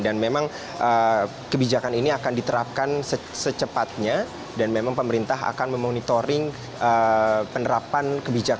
dan memang kebijakan ini akan diterapkan secepatnya dan memang pemerintah akan memonitoring penerapan kebijakannya